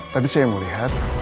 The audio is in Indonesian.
tadi saya melihat